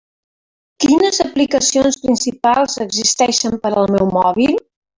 Quines aplicacions principals existeixen per al meu mòbil?